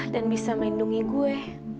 dan bisa melindungi gue